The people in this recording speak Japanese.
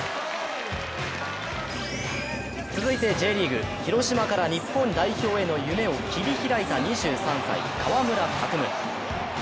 続いてＪリーグ、広島から日本代表への夢を切り拓いた２３歳、川村拓夢。